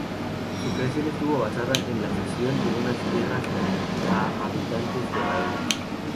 Su creación estuvo basada en la cesión de unas tierras a habitantes de Baena.